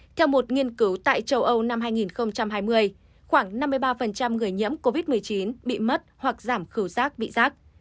theo một nghiên cứu tại châu âu năm hai nghìn hai mươi khoảng năm mươi ba người nhiễm covid một mươi chín bị mất hoặc giảm khảo rác bị rác